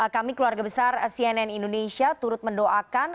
kami keluarga besar cnn indonesia turut mendoakan